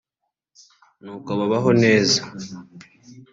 nuko babaho neza